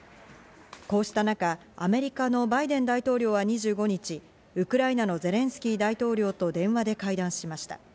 こうした中、アメリカのバイデン大統領は２５日、ウクライナのゼレンスキー大統領と電話で会談しました。